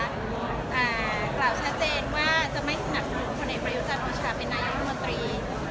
กล่าวชัดเจนว่าจะไม่สนับสนุทธ์คนใหญ่ประยุทธภูมิชาได้เป็นนายุทธมตรี